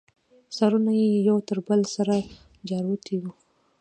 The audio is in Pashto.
سرونه یې یو تر بله سره جارواته.